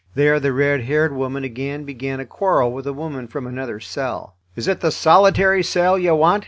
There the red haired woman again began a quarrel with a woman from another cell. "Is it the solitary cell you want?"